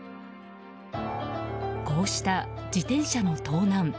こうした自転車の盗難。